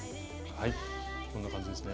こんな感じですね。